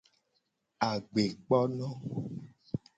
Agbekpono.